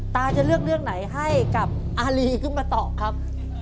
ตาจะเลือกเรื่องไหนให้กับอารีขึ้นมาตอบครับ